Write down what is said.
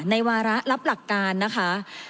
วาระรับหลักการนะคะ